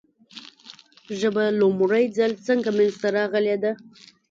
ژبه لومړی ځل څنګه منځ ته راغلې ده ؟